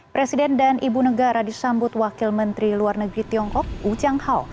presiden dan ibu negara disambut wakil menteri luar negeri tiongkok u changhao